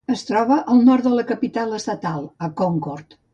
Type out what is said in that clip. Es troba al nord de la capital estatal a Concord.